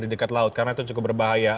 di dekat laut karena itu cukup berbahaya